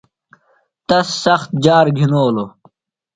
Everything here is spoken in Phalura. ۔تس سخت جار گِھنولوۡ۔